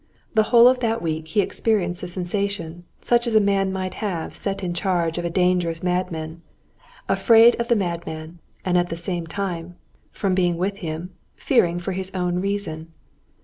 The whole of that week he experienced a sensation such as a man might have set in charge of a dangerous madman, afraid of the madman, and at the same time, from being with him, fearing for his own reason.